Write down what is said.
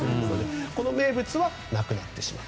この名物はなくなってしまった。